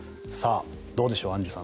どうでしょう、アンジュさん